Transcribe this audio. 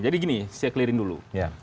jadi gini saya clear in dulu